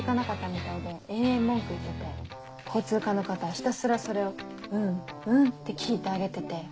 ひたすらそれを「うんうん」って聞いてあげてて。